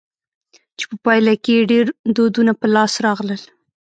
چي په پايله کښي ئې ډېر دودونه په لاس راغلل.